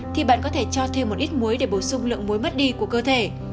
thì bạn có thể cho thêm một ít muối để bổ sung lượng muối mất đi của cơ thể